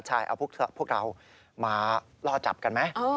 ใช่เอาพวกเรามาล่อจับกันไหม